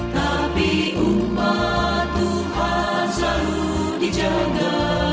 tapi upah tuhan selalu dijaga